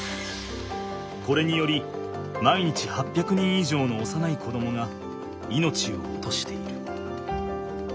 これにより毎日８００人以上の幼い子どもが命を落としている。